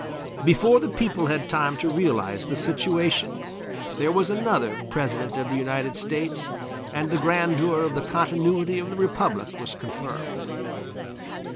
Before the people had time to realize the situation there was another President of the United States and the grandeur of the continuity of the Republic was confirmed.